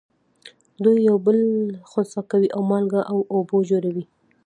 دوی یو بل خنثی کوي او مالګه او اوبه جوړوي.